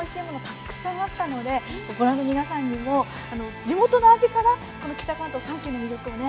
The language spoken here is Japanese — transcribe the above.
たくさんあったのでご覧の皆さんにも地元の味から北関東３県の魅力をね